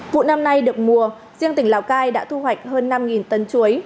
vụ năm nay được mùa riêng tỉnh lào cai đã thu hoạch hơn năm tấn chuối